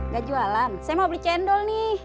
gak jualan saya mau beli cendol nih